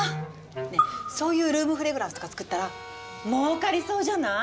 ねえそういうルームフレグランスとか作ったら儲かりそうじゃない？